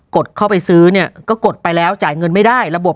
ดเข้าไปซื้อเนี่ยก็กดไปแล้วจ่ายเงินไม่ได้ระบบ